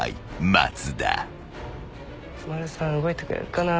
松丸さん動いてくれるかな？